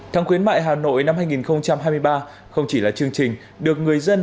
tháng khuyến mại hà nội năm hai nghìn hai mươi ba không chỉ là chương trình được người dân